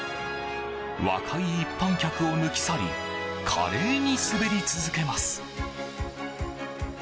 若い一般客を抜き去り華麗に滑り続けます。